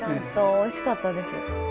おいしかったです。